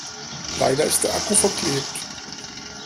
Leider ist der Akku verklebt.